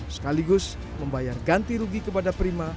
sekaligus membayar ganti rugi kepada prima